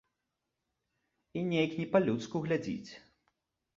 І нейк не па-людску глядзіць.